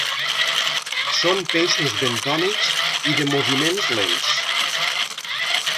Són peixos bentònics i de moviments lents.